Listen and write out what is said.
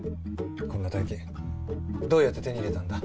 こんな大金どうやって手に入れたんだ？